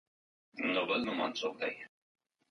که چاپیریال پاک وي نو ناروغۍ به زموږ له کوره لیري وي.